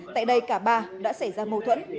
tại đây cả ba đã xảy ra mâu thuẫn